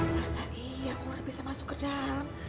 masa iya ular bisa masuk ke dalam